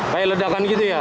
kayak ledakan gitu ya